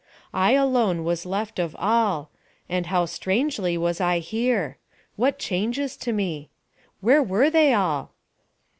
I alone was left of all, and how strangely was I here! What changes to me! Where were they all?